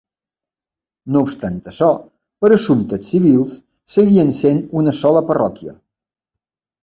No obstant això, per a assumptes civils seguien sent una sola parròquia.